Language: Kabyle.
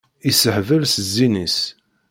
Yessehbal s zzin-is.